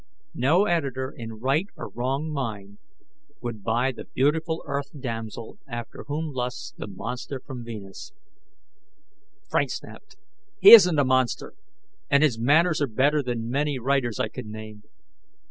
"No editor in right or wrong mind would buy the beautiful Earth damsel, after whom lusts the Monster from Venus " Frank snapped: "He isn't a monster! And his manners are better than many writers' I could name